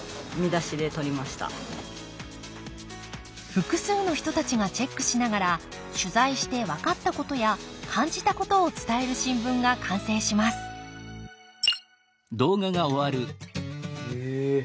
複数の人たちがチェックしながら取材して分かったことや感じたことを伝える新聞が完成しますへえ